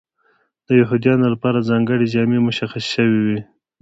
د یهودیانو لپاره ځانګړې جامې مشخصې شوې وې.